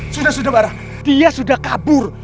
sudah sudah barah dia sudah kabur